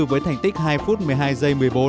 với thành tích hai phút một mươi hai giây một mươi bốn